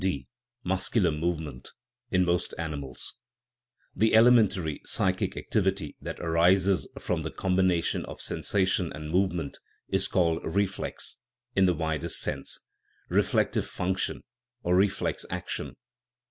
(d) Muscular movement (in most animals). The elementary psychic activity that arises from the combination of sensation and movement is called reflex (in the widest sense), reflective function, or reflex action.